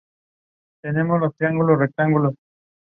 Both shows were made available for online streaming.